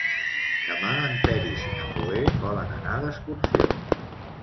Demà en Peris i na Cloè volen anar d'excursió.